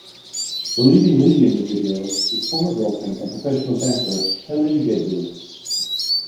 The leading lady in the video is former girlfriend and professional dancer Helen Gedlu.